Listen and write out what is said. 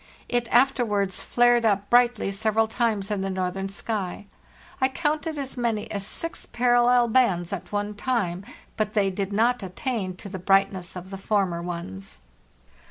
It afterwards flared up brightly several times in the northern sky; I counted as many as six parallel bands at one time, but they did not attain to the bright ness of the former ones.